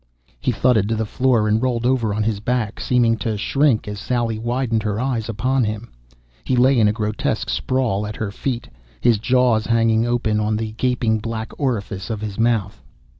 He thudded to the floor and rolled over on his back, seeming to shrink as Sally widened her eyes upon him. He lay in a grotesque sprawl at her feet, his jaw hanging open on the gaping black orifice of his mouth